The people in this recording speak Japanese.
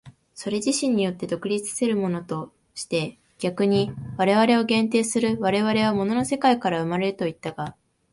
それ自身によって独立せるものとして逆に我々を限定する、我々は物の世界から生まれるといったが、